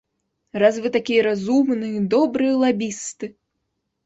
Раз вы такія разумныя добрыя лабісты!